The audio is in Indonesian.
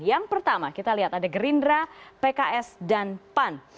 yang pertama kita lihat ada gerindra pks dan pan